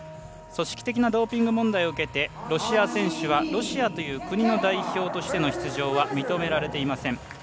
組織的なドーピング問題を受けてロシア選手はロシアという国の代表としての出場は認められていません。